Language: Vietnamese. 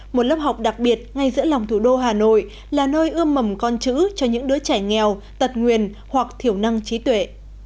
một lớp học đặc biệt ngay giữa lòng thủ đô hà nội là nơi ươm mầm con chữ cho những đứa trẻ nghèo tật nguyền hoặc thiểu năng trí tuệ